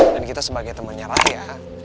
dan kita sebagai temennya raya